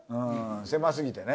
狭すぎてね。